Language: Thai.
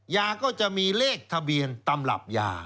ยาก็จะมีเลขทะเบียนตำรับยา